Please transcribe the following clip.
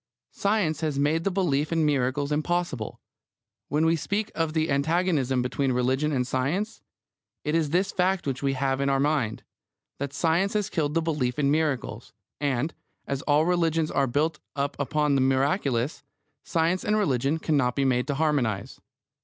Science has made the belief in miracles impossible. When we speak of the antagonism between religion and science, it is this fact which we have in our mind: that science has killed the belief in miracles, and, as all religions are built up upon the miraculous, science and religion cannot be made to harmonise.